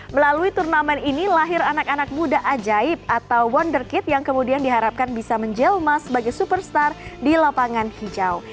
melalui turnamen ini lahir anak anak muda ajaib atau wonder kit yang kemudian diharapkan bisa menjelma sebagai superstar di lapangan hijau